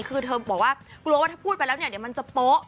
คือเธอบอกว่ากูรู้ว่าถ้าพูดไปแล้วเนี่ยมันจะโป๊ะ